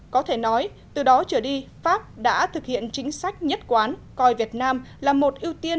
có thể nói từ đó trở đi pháp đã thực hiện chính sách nhất quán coi việt nam là một thành tựu quan trọng